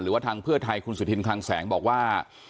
ว่าทางเพื่อไทยคุณสุธินคลังแสงบอกว่า